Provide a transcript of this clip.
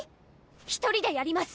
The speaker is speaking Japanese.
１人でやります